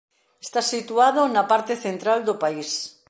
Está situado na parte central do país.